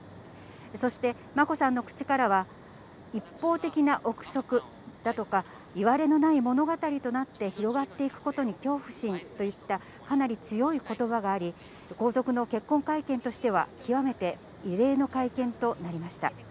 そして眞子さんの口からは、一方的な臆測だとか、いわれのない物語となって広がっていくことに恐怖心といった、かなり強いことばがあり、皇族の結婚会見としては、極めて異例の会見となりました。